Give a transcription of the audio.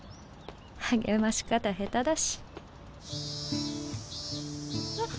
励まし方下手だしえっ？